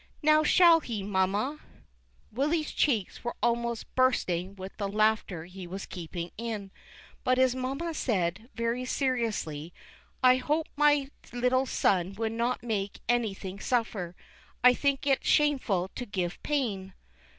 Now shall he, mamma?" Willy's cheeks were almost bursting with the laugh ter he was keeping in ; but his mamma said, very seriously, "I hope my little son would not make any thing suffer ; I think it shameful to give pain."